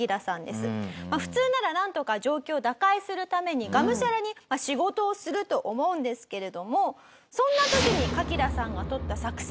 普通ならなんとか状況を打開するためにがむしゃらに仕事をすると思うんですけれどもそんな時にカキダさんがとった作戦。